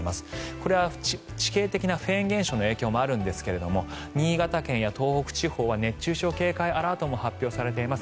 これは地形的なフェーン現象の影響もありますが新潟県や東北地方は熱中症警戒アラートも発表されています。